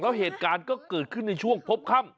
แล้วเหตุการณ์ก็เกิดขึ้นในช่วงพบค่ำ